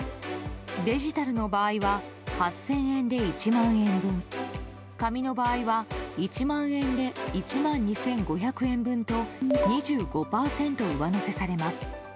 デジタルの場合は８０００円で１万円分紙の場合は１万円で１万２５００円分と２５％上乗せされます。